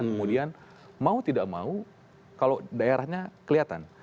kemudian mau tidak mau kalau daerahnya kelihatan